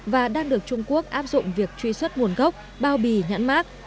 và đang được trung quốc áp dụng việc truy xuất nguồn gốc bao bì nhãn mát